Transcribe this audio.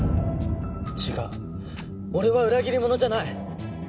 違う俺は裏切り者じゃない！